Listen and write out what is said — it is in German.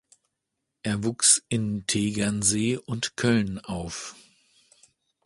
Er wuchs in Tegernsee und Köln auf.